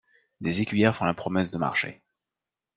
Des écuyères font la promesse de marcher.